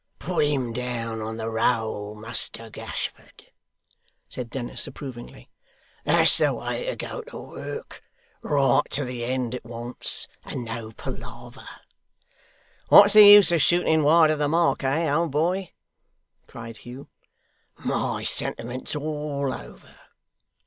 'Put him down on the roll, Muster Gashford,' said Dennis approvingly. 'That's the way to go to work right to the end at once, and no palaver.' 'What's the use of shooting wide of the mark, eh, old boy!' cried Hugh. 'My sentiments all over!